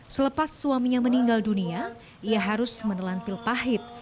selepas suaminya meninggal dunia ia harus menelan pil pahit